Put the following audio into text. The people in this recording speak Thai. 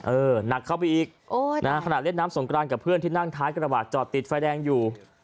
เออหนักเข้าไปอีกโอ้ยน่าขณะเล็ดน้ำส่งกลางกับเพื่อนที่นั่งท้ายกระหวัดจอดติดไฟแดงอยู่